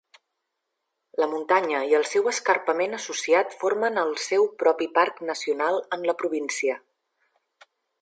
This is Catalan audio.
La muntanya i el seu escarpament associat formen el seu propi parc nacional en la província.